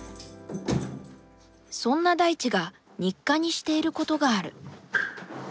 そんなダイチが日課にしていることがある。